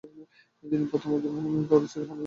তিনি প্রথম আবদুর রহমান ও তার স্ত্রী হালুলের প্রথম পুত্র।